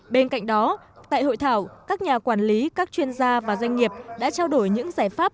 bên cạnh đó tại hội thảo các nhà quản lý các chuyên gia và doanh nghiệp đã trao đổi những giải pháp